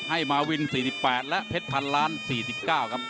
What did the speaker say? มาวิน๔๘และเพชรพันล้าน๔๙ครับ